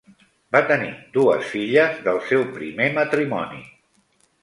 Va tenir dues filles del seu primer matrimoni.